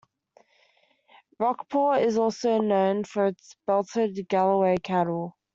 Rockport is also known for its Belted Galloway cattle.